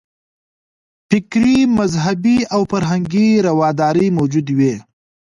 فکري، مذهبي او فرهنګي رواداري موجوده وي.